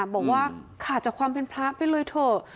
บอกว่าขาดจากความเป็นพระไปเลยเถอะ